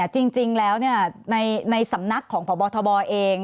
จริงแล้วในสำนักของพบทบเอง